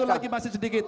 oh satu lagi masih sedikit